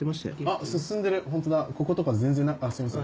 あっ進んでるホントだこことかすいません。